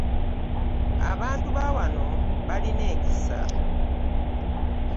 Abantu ba wano balina ekisa!